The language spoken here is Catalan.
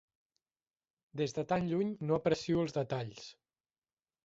Des de tan lluny, no aprecio els detalls.